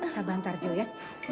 sebentar jo ya